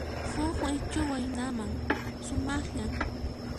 Huk Waychu waynawan, sumaqllan.